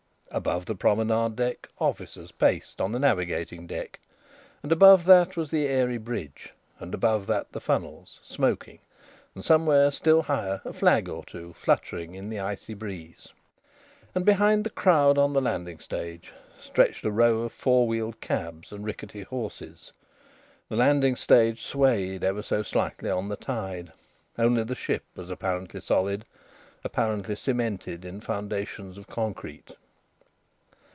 Above the promenade deck officers paced on the navigating deck, and above that was the airy bridge, and above that the funnels, smoking, and somewhere still higher a flag or two fluttering in the icy breeze. And behind the crowd on the landing stage stretched a row of four wheeled cabs and rickety horses. The landing stage swayed ever so slightly on the tide. Only the ship was apparently solid, apparently cemented in foundations of concrete.